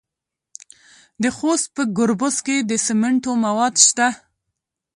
د خوست په ګربز کې د سمنټو مواد شته.